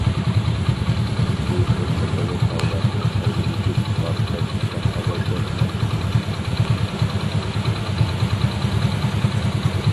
بۇ نەچچە قەۋەت تاغلارنى قايرىۋېتىپ پارتلاپ چىققان ئاۋازدەك قىلاتتى.